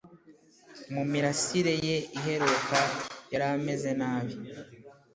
no mumirasire ye iheruka yarameze nabi